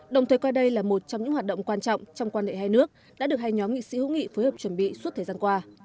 đồng thời coi đây là một trong những hoạt động quan trọng trong quan hệ hai nước đã được hai nhóm nghị sĩ hữu nghị phối hợp chuẩn bị suốt thời gian qua